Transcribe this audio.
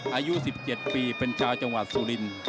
อายุ๑๗ปีเป็นชาวจังหวัดสุรินทร์